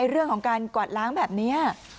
เรื่องของการกวาดล้างแบบนี้